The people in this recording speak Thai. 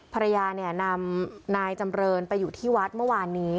ภรรยาเนี่ยนำนายจำเรินไปอยู่ที่วัดเมื่อวานนี้